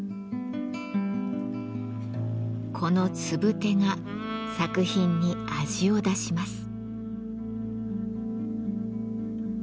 このつぶてが作品に味を出します。